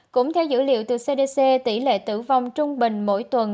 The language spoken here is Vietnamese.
cũng theo dữ liệu từ cdc tỷ lệ tử vong trung bình mỗi tuần